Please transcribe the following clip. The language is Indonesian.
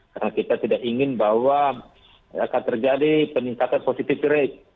karena kita tidak ingin bahwa akan terjadi peningkatan positive rate